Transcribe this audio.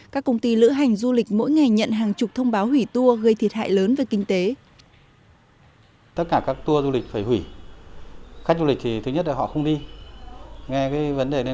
các công ty lữ hành du lịch mỗi ngày nhận hàng chục thông báo hủy tour gây thiệt hại lớn về kinh tế